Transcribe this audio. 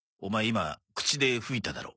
今口で吹いただろ？